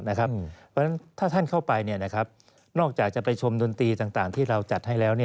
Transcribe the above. เพราะฉะนั้นถ้าท่านเข้าไปนอกจากจะไปชมดนตรีต่างที่เราจัดให้แล้ว